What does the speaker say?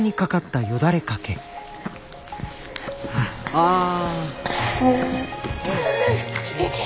ああ。